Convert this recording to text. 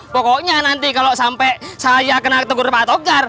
pokoknya nanti kalau sampai saya kena tegur pak togar